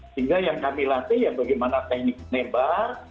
sehingga yang kami latih bagaimana teknik menembak